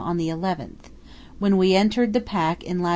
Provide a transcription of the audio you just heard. on the 11th, when we entered the pack in lat.